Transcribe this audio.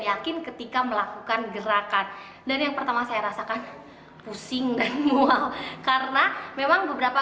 yakin ketika melakukan gerakan dan yang pertama saya rasakan pusing dan mual karena memang beberapa